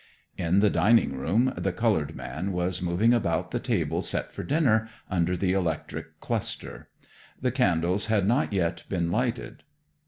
In the dining room the colored man was moving about the table set for dinner, under the electric cluster. The candles had not yet been lighted.